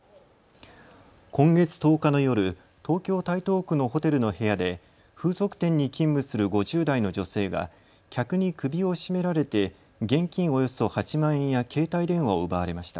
今月１０日の夜、東京台東区のホテルの部屋で風俗店に勤務する５０代の女性が客に首を絞められて現金およそ８万円や携帯電話を奪われました。